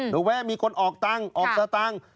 รู้ไหมมีคนออกตังค์ออกสตางค์